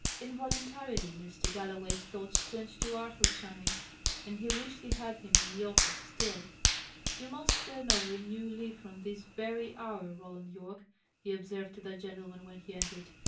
Involuntarily, Mr. Galloway's thoughts turned to Arthur Channing, and he wished he had him in the office still. "You must turn over a new leaf from this very hour, Roland Yorke," he observed to that gentleman, when he entered.